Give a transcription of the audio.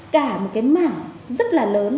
cả một cái mảng rất là lớn